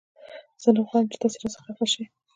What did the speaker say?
زه نه غواړم چې تاسې را څخه خفه شئ